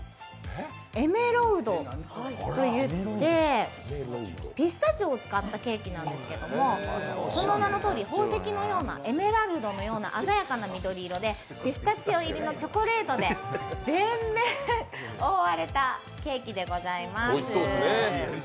エメロウドといって、ピスタチオを使ったケーキなんですけどその名のとおり宝石のようなエメラルドのような鮮やかな緑色でピスタチオ入りのチョコレートで全面覆われたケーキでございます。